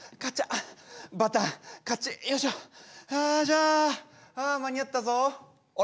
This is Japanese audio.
ああ間に合ったぞ。